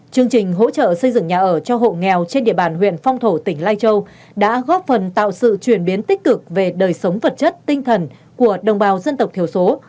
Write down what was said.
chương trình hỗ trợ xây dựng nhà ở cho hộ nghèo trên địa bàn huyện phong thổ tỉnh lai châu đã góp phần tạo sự chuyển biến tích cực về đời sống vật chất tinh thần của đồng bào dân tộc thiểu số